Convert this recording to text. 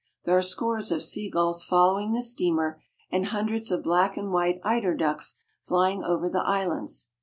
There are scores of sea gulls following the steamer, and hundreds of black and white eider ducks flying over the islands.